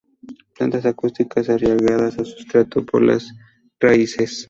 Plantas acuáticas arraigadas al sustrato por las raíces.